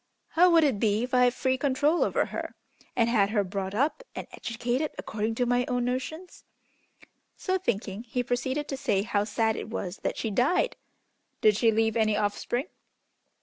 How would it be if I had free control over her, and had her brought up and educated according to my own notions?" So thinking, he proceeded to say how sad it was that she died! "Did she leave any offspring?"